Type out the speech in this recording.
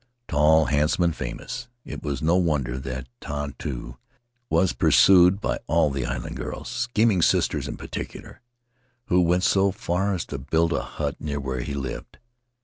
Tall, handsome, and famous, it was no won der that Tautu was pursued by all the island girls — scheming sisters, in particular, who went so far as to build a hut near where he lived.